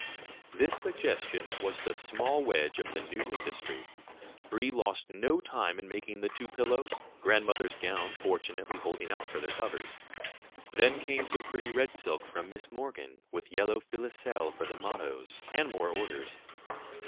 This suggestion was the small wedge of the new industry. Brie lost no time in making the two pillows, grandmother's gown fortunately holding out for their covers. Then came some pretty red silk from Miss Morgan, with yellow filoselle for the mottoes, and more orders.